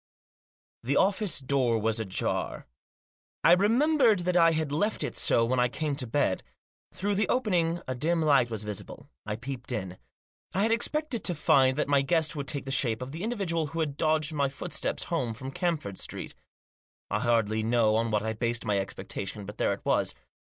The office door was ajar. I remembered that I had left it so when I came to bed. Through the opening a dim light was visible. I peeped in. I had expected to find that my guest would take the shape of the individual who had dogged my foot steps home from Camford Street. I hardly know on what I based my expectation, but there it was.